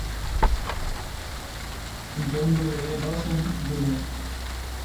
John W. Dawson, Jr.